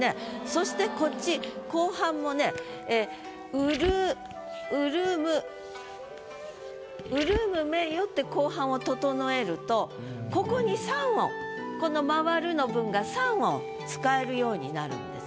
そしてこっち後半もね「潤」「潤む」「潤む目よ」って後半を整えるとここに３音この「廻る」の分が３音使えるようになるんです。